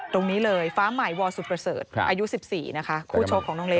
ตรงนี้เลยฟ้าใหม่วสุดประเสริฐอายุ๑๔นะคะคู่ชกของน้องเล